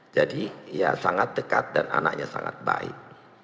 jadi ya sangat dekat dan anaknya sangat baik